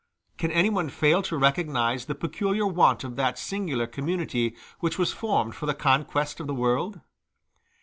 Can anyone fail to recognize the peculiar want of that singular community which was formed for the conquest of the world?